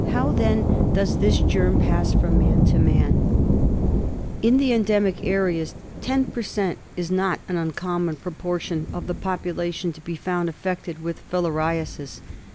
How then does , this germ pass from man to man ? In the endemic areas ten per cent, is not an uncommon proportion of the population to be found affected with filari asis.